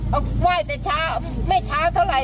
ไหว้ใจช้าไม่ช้าเท่าไหร่